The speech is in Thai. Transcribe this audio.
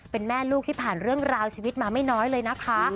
เป็นแม่ลูกที่ผ่านเรื่องราวชีวิตมาไม่น้อยเลยนะคะ